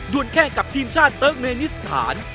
ด้วยแค่กับทีมชาติเติ๊กเมรินิสถาน